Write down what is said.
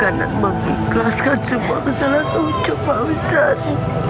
pak ustaz saya memaafkan dan mengikhlaskan semua kesalahan pak ucup pak ustaz